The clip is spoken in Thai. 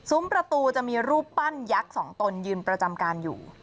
ประตูจะมีรูปปั้นยักษ์สองตนยืนประจำการอยู่